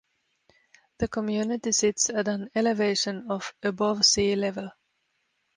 The community sits at an elevation of above sea level.